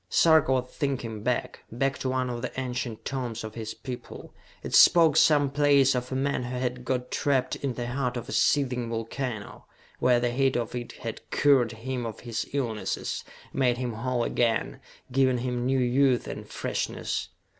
Sarka was thinking back, back to one of the ancient tomes of his people. It spoke, someplace, of a man who had got trapped in the heart of a seething volcano, where the heat of it had cured him of his illnesses, made him whole again, given him new youth and freshness.